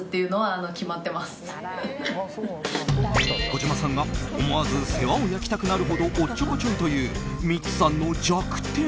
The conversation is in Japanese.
小島さんが思わず世話を焼きたくなるほどおっちょこちょいというミッツさんの弱点。